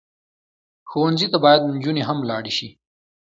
ښوونځی ته باید نجونې هم لاړې شي